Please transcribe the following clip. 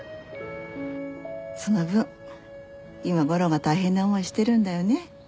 その分今悟郎が大変な思いしてるんだよね。